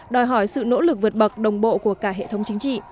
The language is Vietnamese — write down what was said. đòi hỏi sự nỗ lực vượt bậc đồng bộ của cả hệ thống chính trị